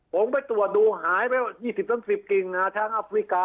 ผมไปตรวจดูหายไปว่า๒๐๓๐กิโลกรัมทางอัฟริกา